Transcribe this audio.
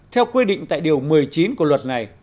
theo quy định tại điều một mươi chín của luật này